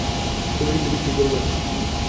তুমি কিন্তু কিচ্ছু বলবে না।